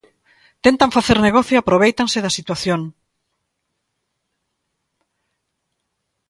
Tentan facer negocio e aprovéitanse da situación.